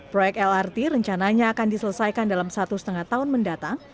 proyek lrt rencananya akan diselesaikan dalam satu setengah tahun mendatang